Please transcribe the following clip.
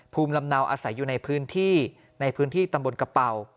ภูมิลำเนาอาศัยอยู่ในพื้นที่ในพื้นที่ตำบลกระเป๋า